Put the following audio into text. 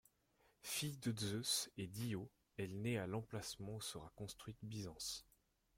Fille de Zeus et d'Io, elle naît à l'emplacement où sera construite Byzance.